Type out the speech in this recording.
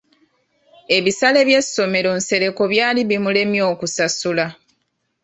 Ebisale by’essomero Nsereko byali bimulemye okusasula .